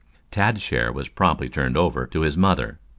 Tad's share was promptly turned over to his mother.